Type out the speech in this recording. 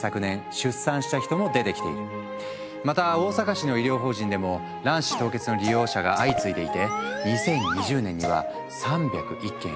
また大阪市の医療法人でも卵子凍結の利用者が相次いでいて２０２０年には３０１件。